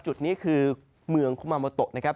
จุดนี้คือเมืองคุมาโมโตะนะครับ